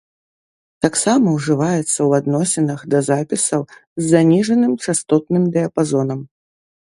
Таксама ўжываецца ў адносінах да запісаў з заніжаным частотным дыяпазонам.